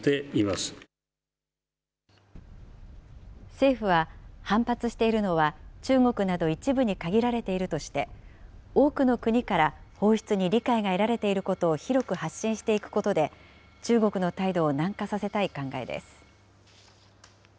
政府は、反発しているのは、中国など一部に限られているとして、多くの国から放出に理解が得られていることを広く発信していくことで、中国の態度を軟化させたい考えです。